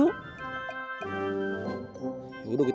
perbuahan nggak ada yang liat